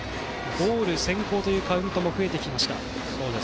ボール先行というカウントも増えてきました。